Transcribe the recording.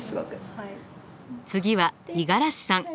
次は五十嵐さん。